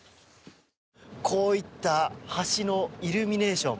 こういった橋のイルミネーション